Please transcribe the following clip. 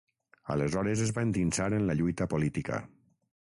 Aleshores es va endinsar en la lluita política.